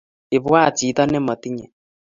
ibwaat chito ne matinye